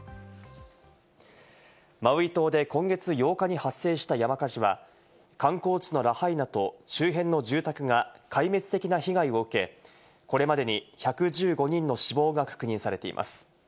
マウイ島で今月８日に発生した山火事は観光地のラハイナと周辺の住宅が壊滅的な被害を受け、これまでに１１５人の死亡が確認されています。